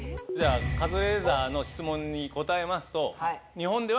カズレーザーの質問に答えますと。